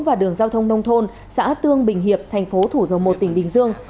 và đường giao thông nông thôn xã tương bình hiệp tp thủ dầu một tỉnh bình dương